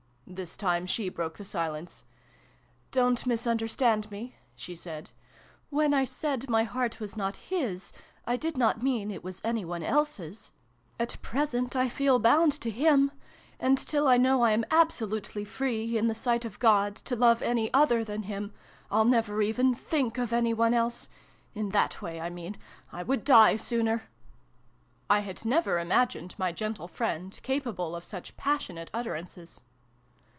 This time she broke the silence. " Don't mis understand me !" she said. " When I said my heart was not his, I did not mean it was any 32 SYLVIE AND BRUNO CONCLUDED. one else's ! At present I feel bound to him ; and, till I know I am absolutely free, in the sight of God, to love any other than him, I'll never even think of any one else in that way, I mean. I would die sooner !" I had never imagined my gentle friend capable of such passionate utterances.